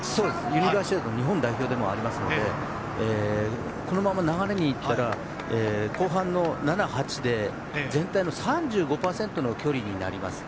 ユニバーシアード日本代表でもありますのでこのまま流れで行けば後半の７、８で全体の３５％の距離になります。